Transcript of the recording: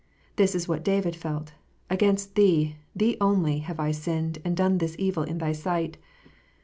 This is what David felt: "Against Thee, Thee only, have I sinned, and done this evil in Thy sight."